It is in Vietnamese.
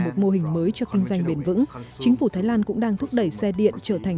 một mô hình mới cho kinh doanh bền vững chính phủ thái lan cũng đang thúc đẩy xe điện trở thành